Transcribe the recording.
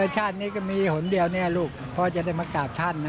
ชาตินี้ก็มีหนึ่งหนึ่งเดียวพ่อจะได้มากราบท่านนะ